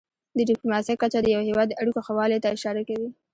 د ډيپلوماسی کچه د یو هېواد د اړیکو ښهوالي ته اشاره کوي.